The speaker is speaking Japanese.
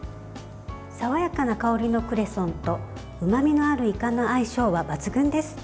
爽やかな香りのクレソンとうまみのあるいかの相性は抜群です。